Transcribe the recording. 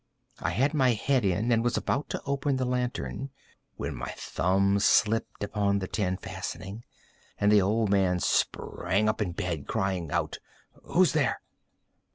I had my head in, and was about to open the lantern, when my thumb slipped upon the tin fastening, and the old man sprang up in bed, crying out—"Who's there?"